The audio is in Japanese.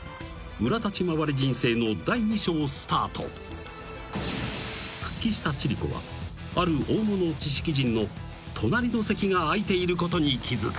裏立ち回り人生の第２章スタート］［復帰した千里子はある大物知識人の隣の席が空いていることに気付く］